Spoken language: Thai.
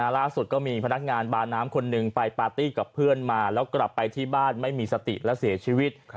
ล่าสุดก็มีพนักงานบาน้ำคนหนึ่งไปปาร์ตี้กับเพื่อนมาแล้วกลับไปที่บ้านไม่มีสติและเสียชีวิต